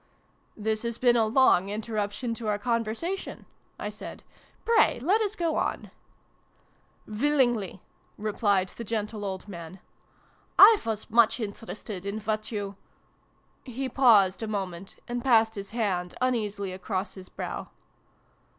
" "This has been a long interruption to our conversation," I said. " Pray let us go on !"" Willingly !" replied the gentle old man. " I was much interested in what you He paused a moment, and passed his hand uneasily across his brow.